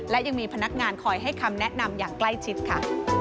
และยังมีพนักงานคอยให้คำแนะนำอย่างใกล้ชิดค่ะ